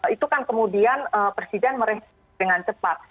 itu kan kemudian presiden merespon dengan cepat